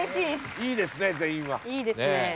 いいですね全員は。